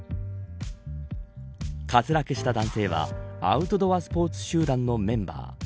滑落した男性はアウトドアスポーツ集団のメンバー。